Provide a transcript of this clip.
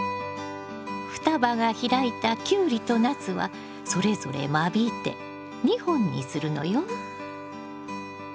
双葉が開いたキュウリとナスはそれぞれ間引いて２本にするのよ。